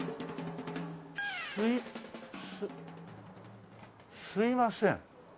すいすいません。